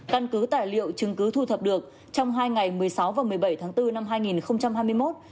căn cứ tài liệu chứng cứ thu thập được trong hai ngày một mươi sáu và một mươi bảy tháng bốn năm hai nghìn hai mươi một